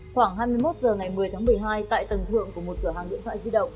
khoảng hai mươi một h ngày một mươi tháng một mươi hai tại tầng thượng của một cửa hàng điện thoại di động